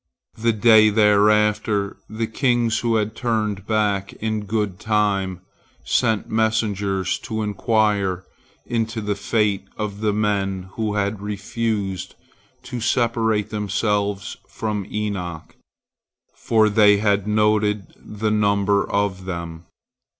The day thereafter, the kings who had turned back in good time sent messengers to inquire into the fate of the men who had refused to separate themselves from Enoch, for they had noted the number of them.